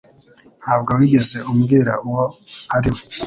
Ntabwo wigeze umbwira uwo ari we